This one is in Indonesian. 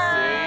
wih wih wih